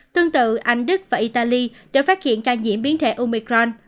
tương tự anh đức và italy đã phát hiện ca nhiễm biến thể omicron